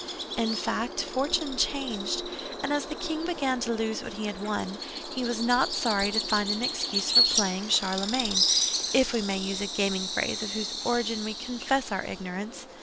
In fact, fortune changed; and as the king began to lose what he had won, he was not sorry to find an excuse for playing Charlemagne—if we may use a gaming phrase of whose origin we confess our ignorance.